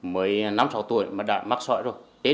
mới năm sáu tuổi mà đã mắc sọi rồi